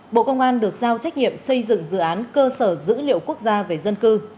bộ công an được giao trách nhiệm xây dựng dự án cơ sở dữ liệu quốc gia về dân cư